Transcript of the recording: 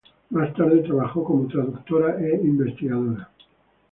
Más tarde, trabajó como traductora e investigadora.